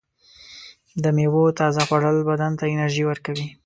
د میوو تازه خوړل بدن ته انرژي ورکوي.